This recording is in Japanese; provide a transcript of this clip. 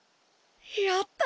やった！